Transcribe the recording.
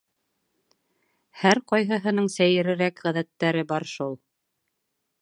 Һәр ҡайһыһының сәйерерәк ғәҙәттәре бар шул.